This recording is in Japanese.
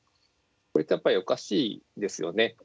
これってやっぱりおかしいですよね。